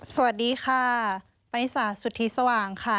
สวัสดีค่ะปริศาสสุธิสว่างค่ะ